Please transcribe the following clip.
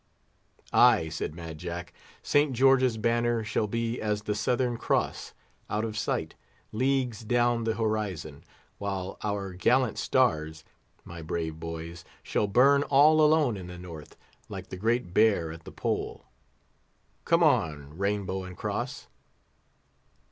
"Ay," said Mad Jack, "St. George's banner shall be as the Southern Cross, out of sight, leagues down the horizon, while our gallant stars, my brave boys, shall burn all alone in the North, like the Great Bear at the Pole! Come on, Rainbow and Cross!"